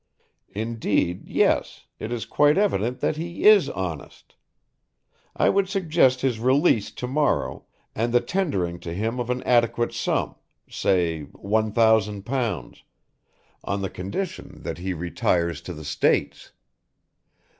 Indeed, yes, it is quite evident that he is honest. I would suggest his release to morrow and the tendering to him of an adequate sum, say one thousand pounds, on the condition that he retires to the States.